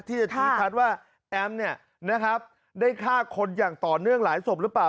ที่จะชี้ชัดว่าแอมได้ฆ่าคนอย่างต่อเนื่องหลายศพหรือเปล่า